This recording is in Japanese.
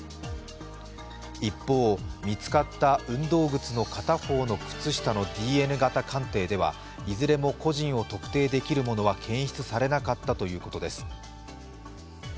一方、見つかった運動靴と片方の靴下のＤＮＡ型鑑定ではいずれも個人を特定できるものは検出されなかったということです。